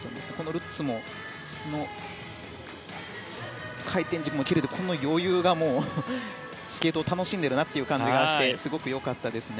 ルッツも回転軸もきれいで余裕がスケートを楽しんでるなという感じがしてすごく良かったですね。